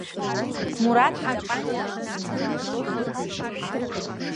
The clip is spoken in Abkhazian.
Мураҭ итапанча днахан, астол инықәиҵеит.